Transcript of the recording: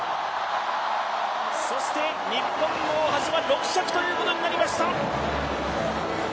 そして日本の大橋は６着ということになりました。